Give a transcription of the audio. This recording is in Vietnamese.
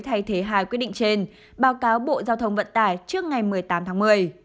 thay thế hai quyết định trên báo cáo bộ giao thông vận tải trước ngày một mươi tám tháng một mươi